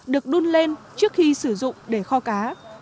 được đun lên trước khi sử dụng để kho cá